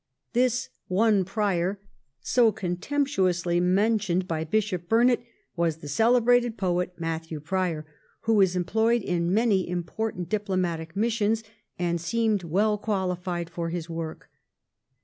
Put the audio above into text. This ' one Prior ' so contemp tuously mentioned by Bishop Burnet was the cele brated poet Matthew Prior, who was employed in many important diplomatic missions and seemed well qualified for his work.